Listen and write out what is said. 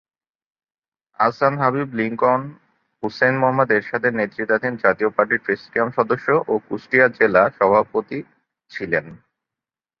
আহসান হাবিব লিঙ্কন হুসেইন মুহম্মদ এরশাদের নেতৃত্বাধীন জাতীয় পার্টির প্রেসিডিয়াম সদস্য ও কুষ্টিয়া জেলা সভাপতি ছিলেন।